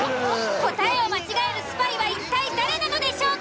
答えを間違えるスパイは一体誰なのでしょうか？